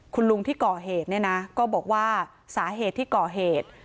คุณลุงที่ก่อเหตุเนี่ยนะก็บอกว่าสาเหตุที่ก่อเหตุ